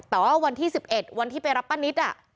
แต่ว่าวันที่๑๑วันที่ไปรับป้านิต